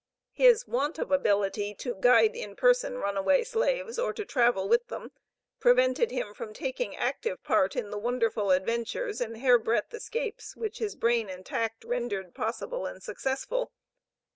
His want of ability to guide in person runaway slaves, or to travel with them, prevented him from taking active part in the wonderful adventures and hair breadth escapes which his brain and tact rendered possible and successful.